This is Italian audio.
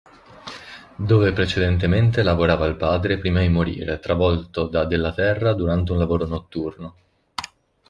Dove precedentemente lavorava il padre prima di morire travolto da della terra durante un lavoro notturno.